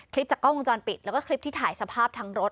จากกล้องวงจรปิดแล้วก็คลิปที่ถ่ายสภาพทั้งรถ